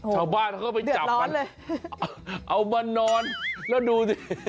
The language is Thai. ชาวบ้านเขาก็ไปจับเอามานอนแล้วดู